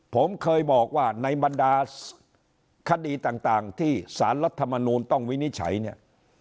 ผมเคยบอกว่าในบรรดาคดีต่างที่สารรัฐมนูลต้องวินิจฉัยเนี่ย